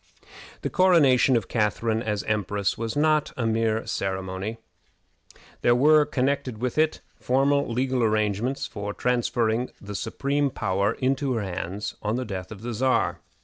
The coronation of Catharine as empress was not a mere empty ceremony. There were connected with it formal legal arrangements for transferring the supreme power into her hands on the death of the Czar.